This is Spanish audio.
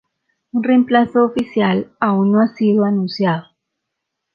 Un reemplazo oficial aún no ha sido anunciado.